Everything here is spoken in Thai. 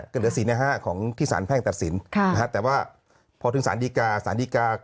ก็เหลือ๔ใน๕ของที่สารแพ่งตัดสินแต่ว่าพอถึงสารดีกาสารดีกา